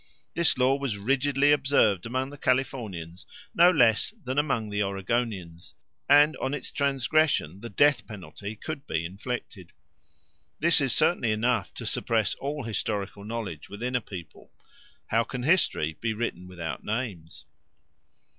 _ This law was rigidly observed among the Californians no less than among the Oregonians, and on its transgression the death penalty could be inflicted. This is certainly enough to suppress all historical knowledge within a people. How can history be written without names?"